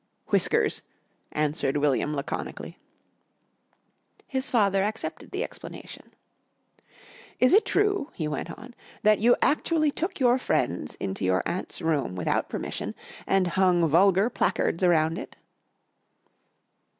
"Whiskers," answered William laconically. His father accepted the explanation. "Is it true," he went on, "that you actually took your friends into your aunt's room without permission and hung vulgar placards around it?"